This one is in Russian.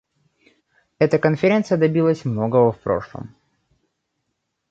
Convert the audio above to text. Эта Конференция добилась многого в прошлом.